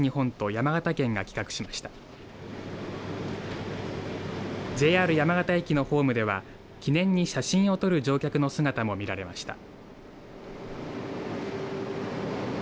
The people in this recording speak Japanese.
ＪＲ山形駅のホームでは記念に写真を撮る乗客の姿も見られました。